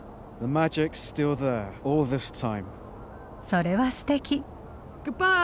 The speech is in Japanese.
それはすてき。